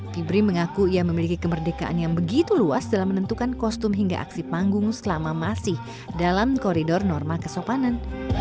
fibri mengaku ia memiliki kemerdekaan yang begitu luas dalam menentukan kostum hingga aksi panggung selama masih dalam koridor norma kesopanan